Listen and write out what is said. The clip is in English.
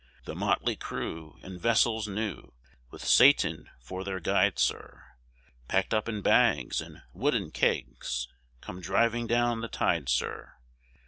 "The motley crew, in vessels new, With Satan for their guide, Sir, Pack'd up in bags, and wooden kegs, Come driving down the tide, Sir.